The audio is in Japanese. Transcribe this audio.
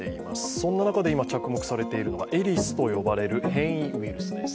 そんな中で今、着目されているのがエリスと呼ばれる変異ウイルスです。